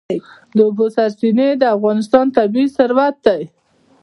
د اوبو سرچینې د افغانستان طبعي ثروت دی.